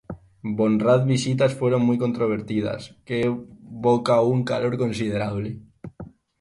Von Rad visitas fueron muy controvertidas, que evoca un calor considerable.